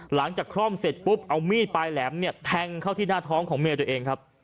คล่อมเสร็จปุ๊บเอามีดปลายแหลมเนี่ยแทงเข้าที่หน้าท้องของเมียตัวเองครับ